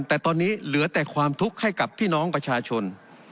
แต่ตอนนี้เหลือแต่ความทุกข์ให้กับพี่น้องประชาชน